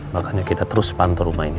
makanya kita terus pantau rumah ini